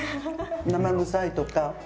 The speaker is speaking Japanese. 生臭いとか。